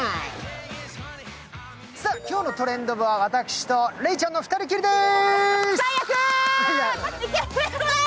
今日の「トレンド部」は私と礼ちゃんの２人きりでーす。